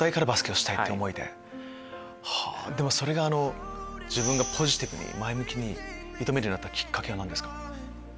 でもそれが自分がポジティブに前向きに挑めるようになったきっかけは何ですか？